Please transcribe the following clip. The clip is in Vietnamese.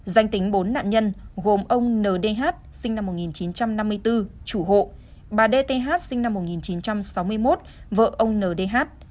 danh tính bốn nạn nhân gồm ông ndh sinh năm một nghìn chín trăm năm mươi bốn chủ hộ bà dth sinh năm một nghìn chín trăm sáu mươi một vợ ông ndh